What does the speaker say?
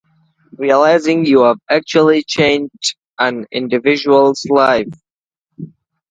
Realizing you've actually changed an individual's life.